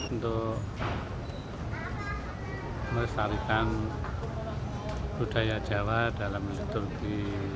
untuk merestarikan budaya jawa dalam liturgi